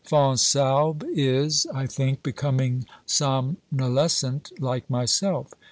Fonsalbe is, I think, becoming somnolescent like myself.